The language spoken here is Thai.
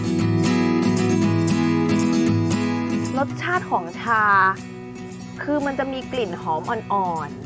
รสชาติของชาคือมันจะมีกลิ่นหอมอ่อน